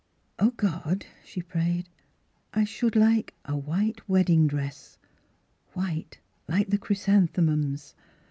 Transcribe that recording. " Oh, God," she prayed, " I should like a white wedding dress — white like the chrysanthemums